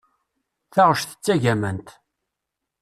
Taɣect d tagamant.